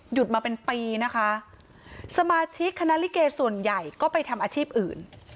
มาเป็นปีนะคะสมาชิกคณะลิเกส่วนใหญ่ก็ไปทำอาชีพอื่น